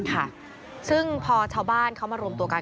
ค่ะซึ่งพอชาวบ้านเขามารวมตัวกัน